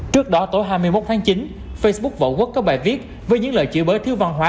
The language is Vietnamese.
trước đó tối hai mươi một tháng chín facebook võ quốc có bài viết với những lời chửi bới thiếu văn hóa